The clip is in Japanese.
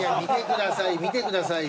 いや見てください。